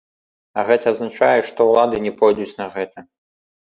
А гэта азначае, што ўлады не пойдуць на гэта.